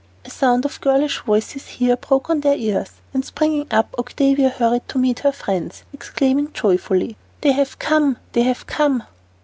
A sound of girlish voices here broke on their ears, and springing up, Octavia hurried to meet her friends, exclaiming joyfully, "They have come! they have come!"